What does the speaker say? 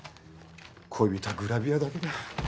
恋人はグラビアだけだ。